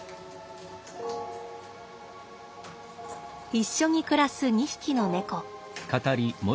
一緒に暮らす２匹の猫。